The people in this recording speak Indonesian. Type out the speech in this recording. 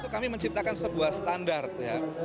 kami menciptakan sebuah standar ya